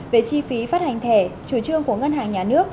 về chi phí phát hành thẻ chủ trương của ngân hàng nhà nước